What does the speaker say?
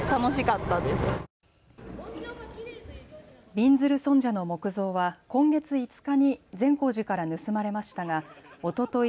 びんずる尊者の木像は今月５日に善光寺から盗まれましたがおととい